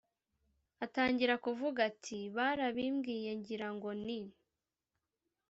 atangira kuvuga ati”barababwiye ngira ngo ni